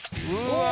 うわ！